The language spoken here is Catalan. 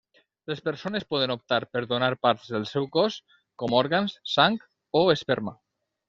Les persones poden optar per donar parts del seu cos, com òrgans, sang o esperma.